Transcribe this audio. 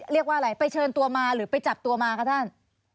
เรียกว่าอะไรไปเชิญตัวมาหรือไปจับตัวมาคะท่าน